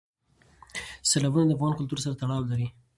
سیلابونه د افغان کلتور سره تړاو لري.